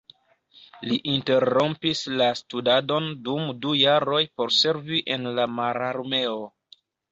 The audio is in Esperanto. Li interrompis la studadon dum du jaroj por servi en la mararmeo.